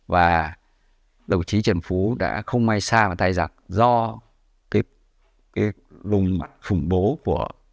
và đồng chí trần phú đã không mai xa vào tai giặc do cái lùng khủng bố của